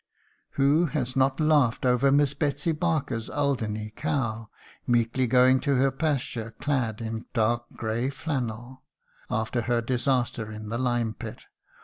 Who has not laughed over Miss Betsy Barker's Alderney cow "meekly going to her pasture, clad in dark grey flannel" after her disaster in the lime pit!